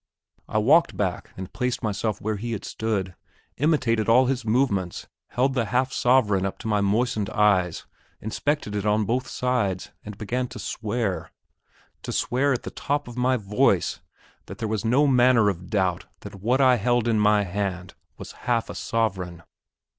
I walked back and placed myself where he had stood, imitated all his movements held the half sovereign up to my moistened eyes, inspected it on both sides, and began to swear to swear at the top of my voice, that there was no manner of doubt that what I held in my hand was half a sovereign.